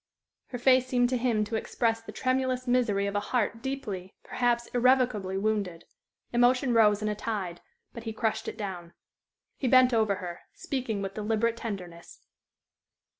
Her face seemed to him to express the tremulous misery of a heart deeply, perhaps irrevocably, wounded. Emotion rose in a tide, but he crushed it down. He bent over her, speaking with deliberate tenderness.